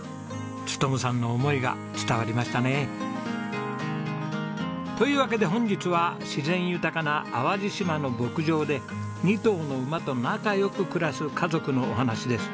勉さんの思いが伝わりましたね。というわけで本日は自然豊かな淡路島の牧場で２頭の馬と仲良く暮らす家族のお話です。